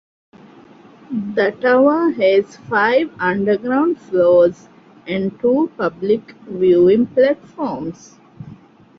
The tower has five underground floors and two public viewing platforms.